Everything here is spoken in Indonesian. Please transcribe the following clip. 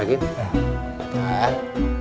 jangan sedang lagi